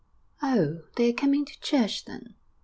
'Oh! they are coming to church, then!'